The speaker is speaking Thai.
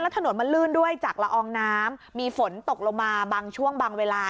ถนนมันลื่นด้วยจากละอองน้ำมีฝนตกลงมาบางช่วงบางเวลา